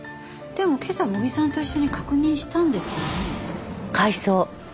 でも今朝茂木さんと一緒に確認したんですよね？